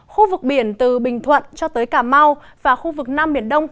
khu vực biển từ bình thuận cho tới cà mau và khu vực nam biển đông